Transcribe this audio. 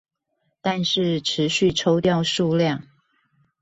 但是持續抽掉數量